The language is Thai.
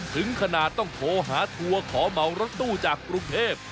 ถึงขนาดต้องโทหฮาทัวเก่าขอเมามรษตู้จากปรุงเทพ